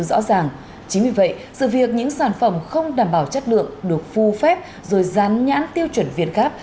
rõ ràng chính vì vậy sự việc những sản phẩm không đảm bảo chất lượng được phu phép rồi dán nhãn tiêu chuẩn việt gáp